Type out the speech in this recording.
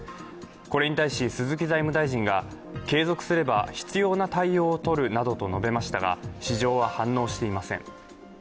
これに対し、鈴木財務大臣が継続すれば必要な対応をとるなどと述べましたが市場は反応していません。